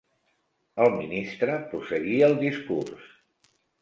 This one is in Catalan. El ministre prosseguí el discurs.